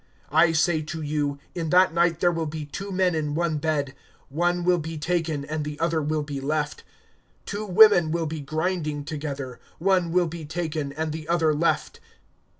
(34)I say to you, in that night there will be two men in one bed; one will be taken, and the other will be left. (35)Two women will be grinding together; one will be taken, and the other left.